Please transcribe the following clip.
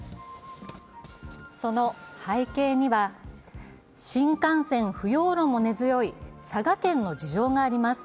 その背景には、新幹線不要論も根強い佐賀県の事情があります。